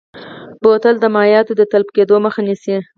بوتل د مایعاتو د تلف کیدو مخه نیسي.